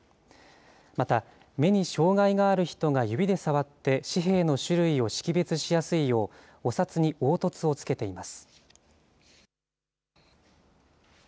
また、目に障害がある人が指で触って紙幣の種類を識別しやすいよう、お札に凹凸をつけています。